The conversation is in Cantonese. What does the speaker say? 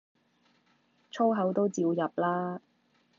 粗口都照入啦